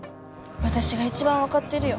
私が一番分かってるよ